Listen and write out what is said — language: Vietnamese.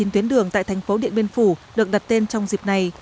ba mươi chín tuyến đường tại thành phố điện biên phủ được đặt tên trong dịp này